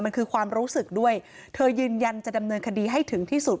มันคือความรู้สึกด้วยเธอยืนยันจะดำเนินคดีให้ถึงที่สุด